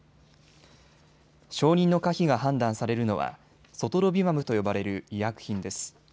承認の可否が判断されるのはソトロビマブと呼ばれる医薬品です。